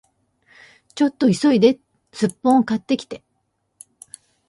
ちょっと急いでスッポン買ってきて